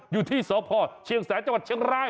อยู่ที่สพเชียงแสจเชียงราย